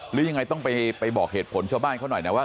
หรือยังไงต้องไปบอกเหตุผลชาวบ้านเขาหน่อยนะว่า